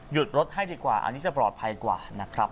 รถให้ดีกว่าอันนี้จะปลอดภัยกว่านะครับ